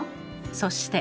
そして。